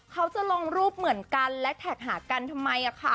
เขาจะลงรูปเหมือนกันและแท็กหากันทำไมอะค่ะ